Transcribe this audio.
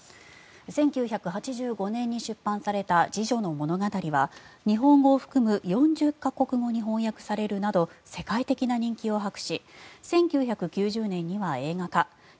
１９８５年に出版された「侍女の物語」は日本語を含む４０か国語に翻訳されるなど世界的な人気を博し１９９０年には映画化